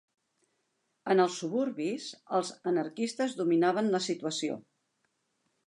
En els suburbis, els anarquistes dominaven la situació